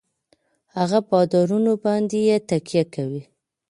هـغـه بـادارنـو بـانـدې يـې تکيـه کـوي.